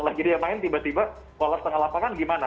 lagi dia main tiba tiba polar setengah lapangan gimana